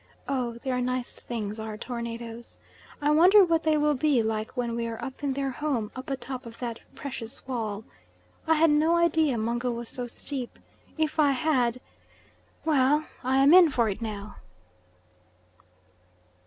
Oh, they are nice things are tornadoes! I wonder what they will be like when we are up in their home; up atop of that precious wall? I had no idea Mungo was so steep. If I had well, I am in for it now!